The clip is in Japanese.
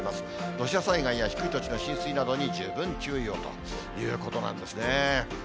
土砂災害や低い土地の浸水などに十分注意をということなんですね。